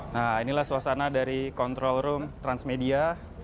nah inilah suasana dari control room transmedia